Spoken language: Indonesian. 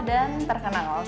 muda bertalenta dan terkenal